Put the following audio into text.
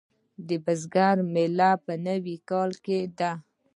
د بزګر میله په نوي کال کې ده.